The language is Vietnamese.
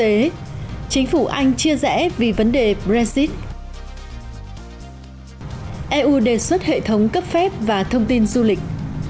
eu đề xuất hệ thống cấp phép và thông tin du lịch